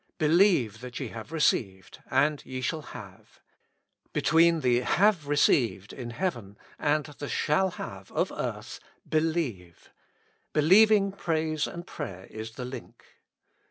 "Believe that ye have receivedy and ye shall havey Between the have received in heaven, and the shall have of earth, believe ; believing praise and prayer is the link.